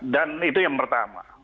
dan itu yang pertama